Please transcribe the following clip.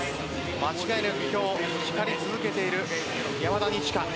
間違いなく今日、光り続けている山田二千華。